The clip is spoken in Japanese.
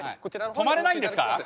止まれないんですか？